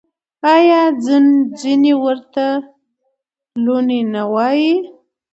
آیا ځینې ورته لوني نه وايي؟